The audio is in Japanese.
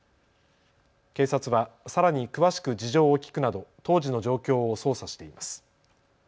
警察はさらに詳しく事情を聞くなど当時の状況を捜査しています。